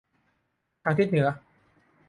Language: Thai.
ทางทิศเหนือ